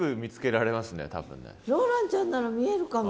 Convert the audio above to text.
ローランちゃんなら見えるかも。